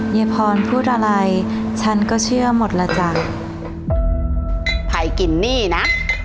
ยายพรพูดอะไรฉันก็เชื่อหมดแล้วจ้ะภัยกินหนี้นะ